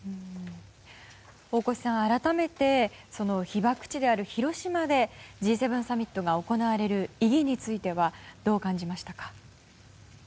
大越さん、改めて被爆地である広島でＧ７サミットが行われる意義についてはどう感じましたか？